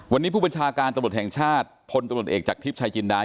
วันนี้ผู้บัญชาการตำรวจแห่งชาติพลตำรวจเอกจากทิพย์ชายจินดาย